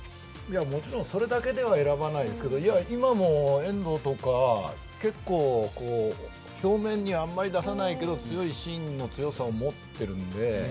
もちろんそれだけでは選ばないですが今の遠藤とか結構、表面にはあまり出さないけど芯の強さを持っているので。